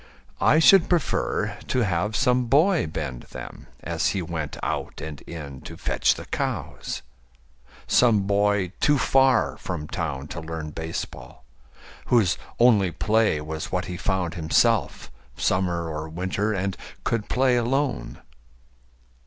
I should prefer to have some boy bend them As he went out and in to fetch the cows Some boy too far from town to learn baseball, Whose only play was what he found himself, Summer or winter, and could play alone.